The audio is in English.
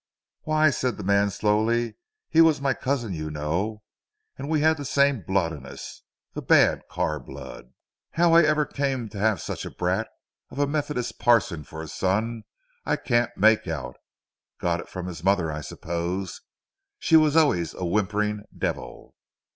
"Why," said the man slowly, "he was my cousin you know, and we had the same blood in us the bad Carr blood. How I ever came to have such a brat of a Methodist parson for a son I can't make out. Got it from his mother I suppose, she was always a whimpering devil.